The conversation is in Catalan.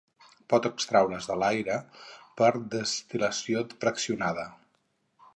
Pot extraure's de l'aire per destil·lació fraccionada.